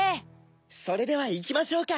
それではいきましょうか。